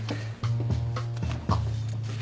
あっ。